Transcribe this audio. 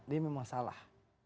dia memang salah